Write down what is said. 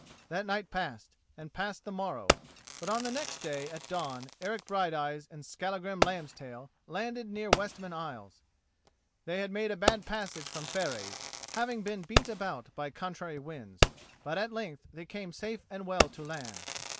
That night passed, and passed the morrow; but on the next day at dawn Eric Brighteyes and Skallagrim Lambstail landed near Westman Isles. They had made a bad passage from Fareys, having been beat about by contrary winds; but at length they came safe and well to land.